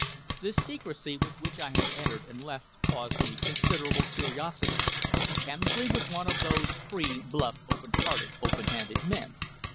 The secrecy with which I had entered and left caused me considerable curiosity. Kemsley was one of those free, bluff, open hearted, open handed, men.